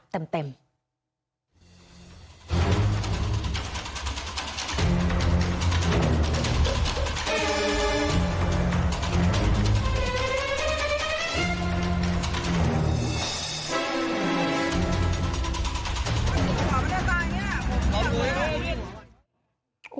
ขวาไม่ได้ตายเนี่ยผมไม่อยากไว้